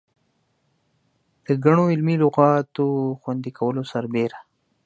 د ګڼو علمي لغاتو خوندي کولو سربېره.